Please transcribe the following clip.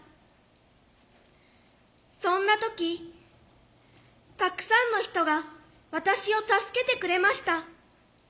そんな時たくさんの人が私を助けてくれました。